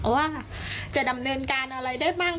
ว่าจะดำเนินการอะไรได้บ้าง